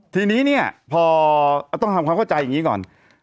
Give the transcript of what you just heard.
ทีนี้เนี่ยพอต้องทำความเข้าใจอย่างนี้ก่อน